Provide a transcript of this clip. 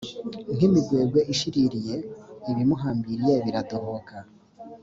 nk imigwegwe ishiririye ibimuhambiriye biradohoka